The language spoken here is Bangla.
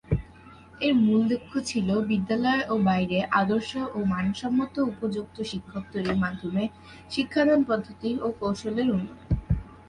এর মূল লক্ষ্য ছিল বিদ্যালয়ে ও বাইরে আদর্শ ও মানসম্মত উপযুক্ত শিক্ষক তৈরির মাধ্যমে শিক্ষাদান পদ্ধতি ও কৌশলের উন্নয়ন।